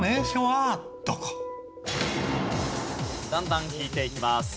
だんだん引いていきます。